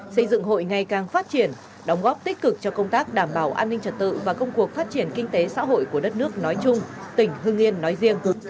xây dựng hội ngày càng phát triển đóng góp tích cực cho công tác đảm bảo an ninh trật tự và công cuộc phát triển kinh tế xã hội của đất nước nói chung tỉnh hưng yên nói riêng